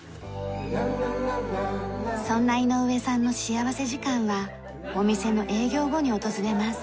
そんな井上さんの幸福時間はお店の営業後に訪れます。